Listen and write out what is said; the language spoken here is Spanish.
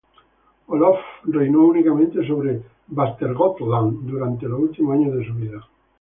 Olof reinó únicamente sobre Västergötland durante los últimos años de su vida.